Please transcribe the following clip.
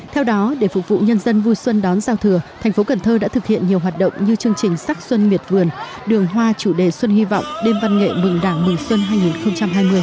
theo đó để phục vụ nhân dân vui xuân đón giao thừa thành phố cần thơ đã thực hiện nhiều hoạt động như chương trình sắc xuân miệt vườn đường hoa chủ đề xuân hy vọng đêm văn nghệ mừng đảng mừng xuân hai nghìn hai mươi